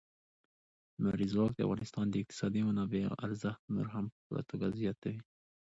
لمریز ځواک د افغانستان د اقتصادي منابعم ارزښت نور هم په پوره توګه زیاتوي.